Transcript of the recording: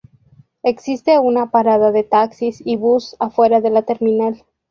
Existe una parada de taxis y bus afuera de la terminal.